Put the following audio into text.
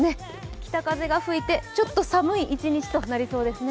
北風が吹いてちょっと寒い一日になりそうですね。